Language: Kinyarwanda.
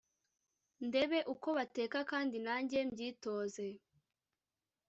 ndebe uko bateka kandi nange mbyitoze.